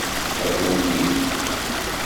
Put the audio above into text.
A tungift!